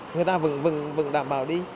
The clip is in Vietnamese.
người ta vẫn đảm bảo đi